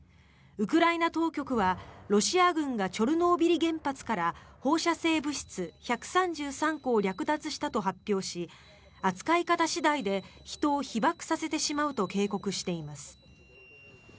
ウクライナ当局は、ロシア軍がチョルノービリ原発から放射性物質１３３個を略奪したと発表し扱い方次第で人を被ばくさせてしまうと警告しています。